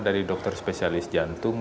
dari dokter spesialis jantung